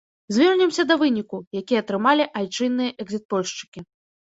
Звернемся да выніку, які атрымалі айчынныя экзітпольшчыкі.